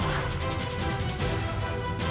kau harus ingat satu hal